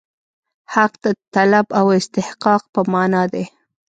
حق د طلب او استحقاق په معنا دی.